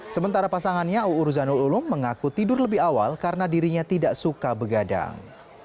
sementara pasangannya uu ruzanul ulum mengaku tidur lebih awal karena dirinya tidak suka begadang